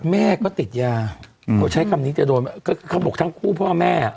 แม่ก็ติดยาเขาบอกทั้งคู่พ่อแม่